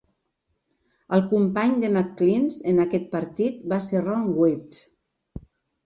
El company de McInnes en aquest partit va ser Ron Wright.